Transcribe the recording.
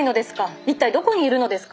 一体どこにいるのですか？